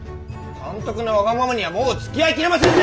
監督のわがままにはもうつきあいきれませんね！